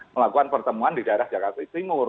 melakukan pertemuan di daerah jakarta timur